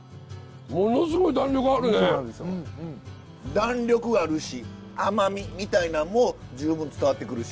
弾力あるし甘みみたいなんも十分伝わってくるし。